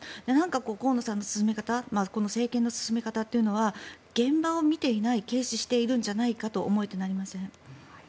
河野さんの進め方政権の進め方というのは現場を見ていない軽視しているんじゃないかと思えてなりません。